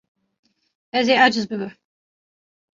Ez ê aciz bibim.